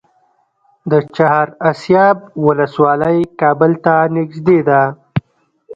د چهار اسیاب ولسوالۍ کابل ته نږدې ده